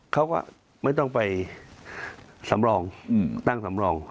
เขาก็ไม่ต้องไปสำรองตั้งสำรอง